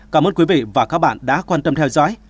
cảm ơn quý vị và các bạn đã quan tâm theo dõi